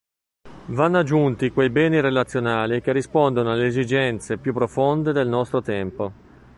Vanno aggiunti quei "beni relazionali" che rispondono alle esigenze più profonde del nostro tempo.